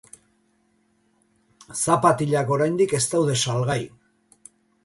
Zapatilak oraindik ez daude salgai.